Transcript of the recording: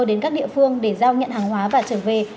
đến các địa phương để giao nhận hàng hóa và trở về